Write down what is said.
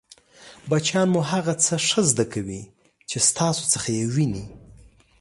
بچیان مو هغه څه ښه زده کوي چې ستاسو څخه يې ویني!